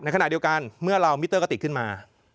ขณะเดียวกันเมื่อเรามิเตอร์กะติกขึ้นมา